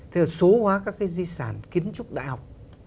thế là số hóa các cái di sản kiến trúc đại học